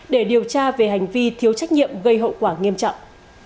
để điều tra về hành vi thiếu trách nhiệm gây hậu quả nghiêm trọng